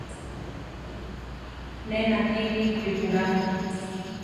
Ne nakí mí ripurá.